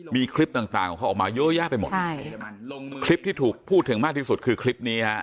มีคลิปต่างต่างของเขาออกมาเยอะแยะไปหมดใช่คลิปที่ถูกพูดถึงมากที่สุดคือคลิปนี้ฮะ